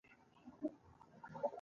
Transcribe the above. هیلې مې د بادونو تر سندرو لاندې ښخې شوې.